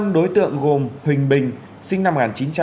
năm đối tượng gồm huỳnh bình sinh năm một nghìn chín trăm tám mươi